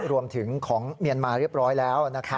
รวมถึงของเมียนมาเรียบร้อยแล้ว